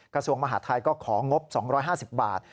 กระทรวงมหาทัยก็ของงบ๒๕๐บาท